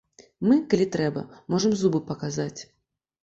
Мы, калі трэба, можам зубы паказаць.